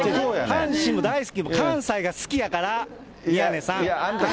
阪神も大好き、関西が好きやから、宮根さん。